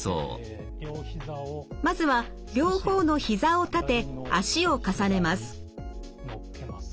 まずは両方の膝を立て脚を重ねます。